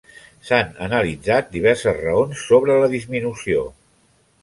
S'han analitzat diverses raons sobre la disminució.